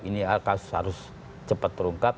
ini kasus harus cepat diungkap